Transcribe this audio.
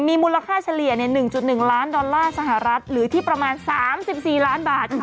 มีมูลค่าเฉลี่ย๑๑ล้านดอลลาร์สหรัฐหรือที่ประมาณ๓๔ล้านบาทค่ะ